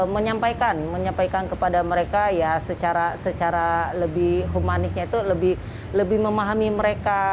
menyampaikan menyampaikan kepada mereka ya secara lebih humanisnya itu lebih memahami mereka